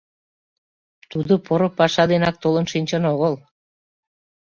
Тудо поро паша денак толын шинчын огыл!